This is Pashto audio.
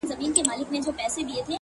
ته يې بد ايسې _